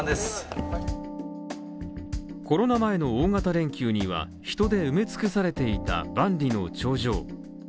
コロナ前の大型連休には人で埋め尽くされていた万里の長城。